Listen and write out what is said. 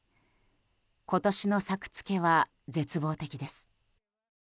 今年の作付けは絶望的です。